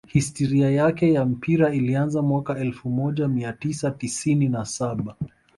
Histiria yake ya mpira ilianza mwaka elfu moja mia tisa tisini na saba